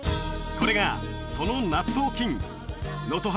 これがその納豆菌能登